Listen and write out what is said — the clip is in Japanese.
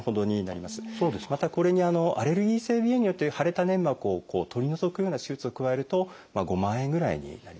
またこれにアレルギー性鼻炎によって腫れた粘膜を取り除くような手術を加えると５万円ぐらいになりますね。